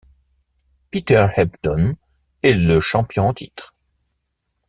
Peter Ebdon est le champion en titre.